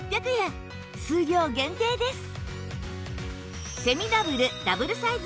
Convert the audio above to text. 数量限定です！